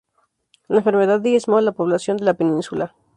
La enfermedad diezmó la población de la península.